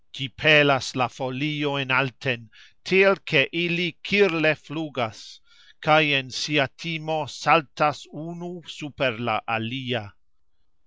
Gxi pelas la foliojn alten, tiel ke ili kirle flugas kaj en sia timo saltas unu super la alia.